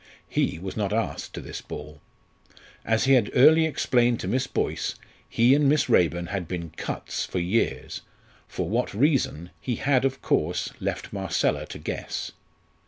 He was not asked to this ball. As he had early explained to Miss Boyce, he and Miss Raeburn had been "cuts" for years, for what reason he had of course left Marcella to guess.